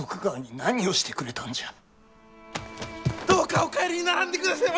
どうかお帰りにならんでくだせまし！